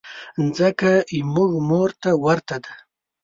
مځکه زموږ مور ته ورته ده.